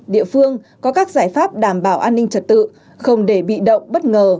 địa phương có các giải pháp đảm bảo an ninh trật tự không để bị động bất ngờ